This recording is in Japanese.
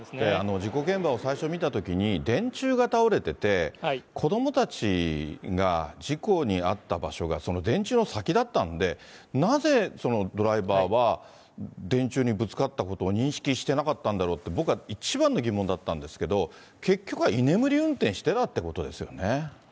事故現場を最初見たときに、電柱が倒れていて、子どもたちが事故に遭った場所がその電柱の先だったんで、なぜドライバーは電柱にぶつかったことを認識してなかったんだろうって、僕は一番の疑問だったんですけれども、結局は居眠り運転してたってことですよね。